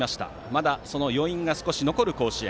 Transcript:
まだその余韻が少し残る甲子園。